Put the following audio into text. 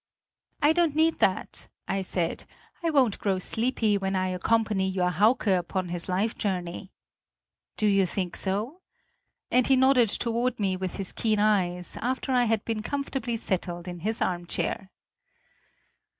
"I don't need that," I said; "I won't grow sleepy, when I accompany your Hauke upon his life journey!" "Do you think so?" and he nodded toward me with his keen eyes, after I had been comfortably settled in his armchair.